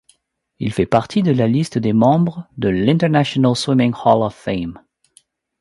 Il fait partie de la liste des membres de l'International Swimming Hall of Fame.